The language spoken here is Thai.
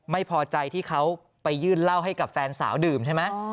ไม่พอใจที่เขาไปยื่นเหล้าให้กับแฟนสาวดื่มใช่ไหม